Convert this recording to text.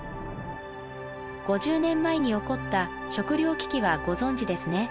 ５０年前に起こった食料危機はご存じですね？